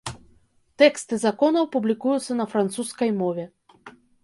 Тэксты законаў публікуюцца на французскай мове.